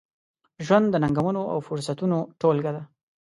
ژوند د ننګونو، او فرصتونو ټولګه ده.